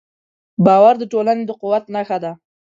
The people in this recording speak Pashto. باور د ټولنې د قوت نښه ده.